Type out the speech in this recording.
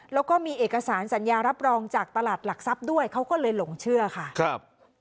แล้วก็มีเอกสารสัญญารับรองจากตลาดหลักทรัพย์ด้วยเขาก็เลยหลงเชื่อค่ะครับ